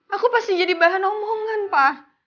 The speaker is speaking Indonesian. aku pasti jadi bahan omongan pak